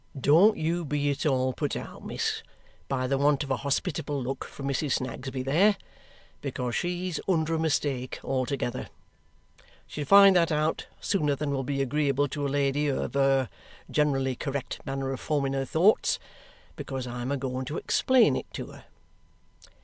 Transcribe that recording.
"Don't you be at all put out, miss, by the want of a hospitable look from Mrs. Snagsby there, because she's under a mistake altogether. She'll find that out sooner than will be agreeable to a lady of her generally correct manner of forming her thoughts, because I'm a going to explain it to her."